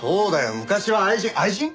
昔は愛人愛人？